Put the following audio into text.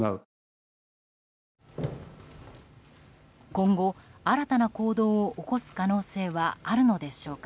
今後、新たな行動を起こす可能性はあるのでしょうか。